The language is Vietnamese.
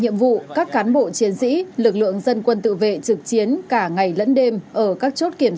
nhiệm vụ các cán bộ chiến sĩ lực lượng dân quân tự vệ trực chiến cả ngày lẫn đêm ở các chốt kiểm